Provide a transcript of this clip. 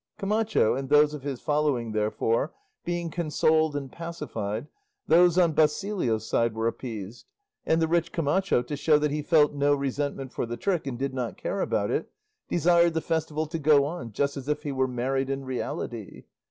Camacho and those of his following, therefore, being consoled and pacified, those on Basilio's side were appeased; and the rich Camacho, to show that he felt no resentment for the trick, and did not care about it, desired the festival to go on just as if he were married in reality.